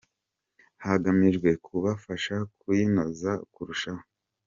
hagamijwe kubafasha kuyinoza kurushaho